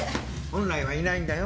本来はいないんだよ？